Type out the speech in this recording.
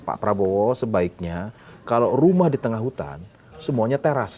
pak prabowo sebaiknya kalau rumah di tengah hutan semuanya teras